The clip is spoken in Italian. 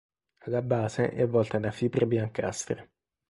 Alla base è avvolta da fibre biancastre.